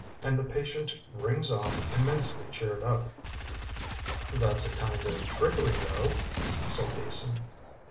and the patient rings off immensely cheered up." "That's a kind of trickery, though," said Beason.